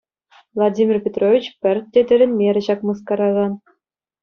Владимир Петрович пӗртте тӗлӗнмерӗ ҫак мыскараран.